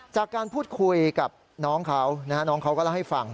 จากการพูดคุยกับน้องเขานะฮะน้องเขาก็เล่าให้ฟัง